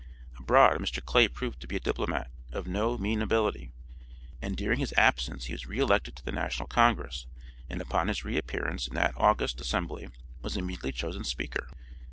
Abroad Mr. Clay proved to be a diplomate of no mean ability, and during his absence he was re elected to the National Congress, and upon his re appearance in that august assembly was immediately chosen speaker.